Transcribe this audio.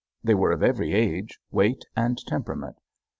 They were of every age, weight, and temperament.